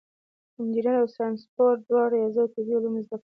انجینر او ساینسپوه دواړه ریاضي او طبیعي علوم زده کوي.